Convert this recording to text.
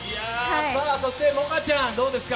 そして萌歌ちゃん、いかがですか？